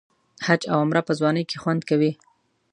حج او عمره په ځوانۍ کې خوند کوي.